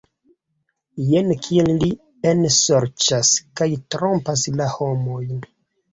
Jen kiel li ensorĉas kaj trompas la homojn!